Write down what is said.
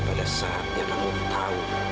pada saatnya kamu tahu